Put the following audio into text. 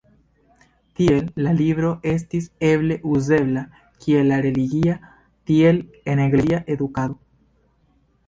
Tiel la libro estis eble uzebla kiel en religia, tiel en eklezia edukado.